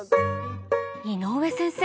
井上先生